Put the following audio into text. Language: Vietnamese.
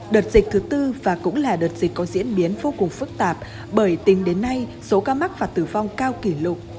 đợt dịch thứ tư và cũng là đợt dịch có diễn biến vô cùng phức tạp bởi tính đến nay số ca mắc và tử vong cao kỷ lục